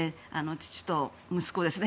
父と息子ですね。